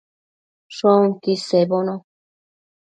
Shoquid sebono